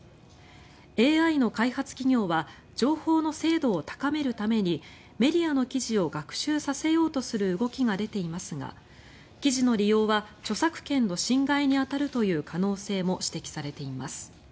ＡＩの開発企業は情報の精度を高めるためにメディアの記事を学習させようとする動きが出ていますが記事の利用は著作権の侵害に当たるという可能性も指摘されています。